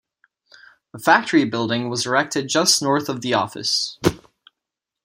A factory building was erected just north of the office.